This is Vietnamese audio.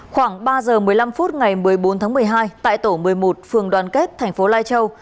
khoảng ba h một mươi năm phút ngày một mươi bốn tháng một mươi hai tại tổ một mươi một phường đoàn kết tp lai châu